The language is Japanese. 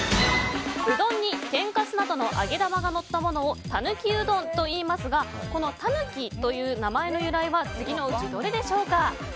うどんに天かすなどの揚げ玉がのったものをらぬきうどんといいますがこのたぬきという名前の由来は次のうちどれでしょうか。